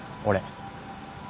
俺。